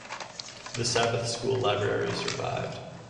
The Sabbath School Library survived.